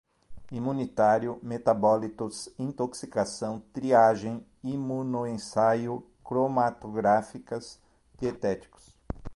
imunitário, metabólitos, intoxicação, triagem, imunoensaio, cromatográficas, dietéticos